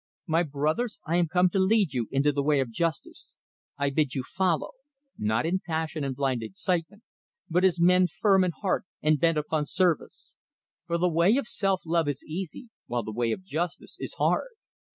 "My brothers: I am come to lead you into the way of justice. I bid you follow; not in passion and blind excitement, but as men firm in heart and bent upon service. For the way of self love is easy, while the way of justice is hard.